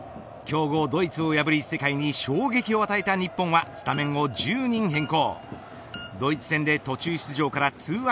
強豪ドイツを破り世界に衝撃を与えた日本はスタメンを１０人変更。